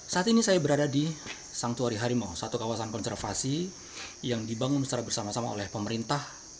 saat ini saya berada di sangtuari harimau satu kawasan konservasi yang dibangun secara bersama sama oleh pemerintah